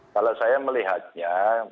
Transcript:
kalau saya melihatnya